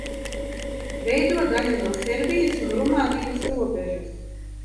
Veido daļu no Serbijas un Rumānijas robežas.